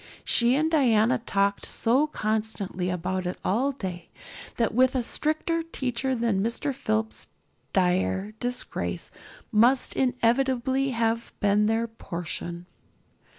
She and Diana talked so constantly about it all day that with a stricter teacher than Mr. Phillips dire disgrace must inevitably have been their portion.